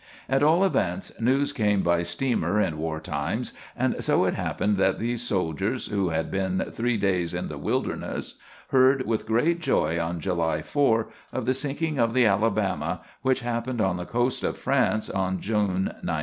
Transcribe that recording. At all events, news came by steamer in war times, and so it happened that these soldiers, who had been three days in the wilderness, heard with great joy on July 4 of the sinking of the "Alabama," which happened on the coast of France on June 19.